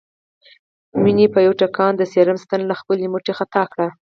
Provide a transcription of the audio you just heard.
مينې په يوه ټکان د سيروم ستن له خپلې مټې خطا کړه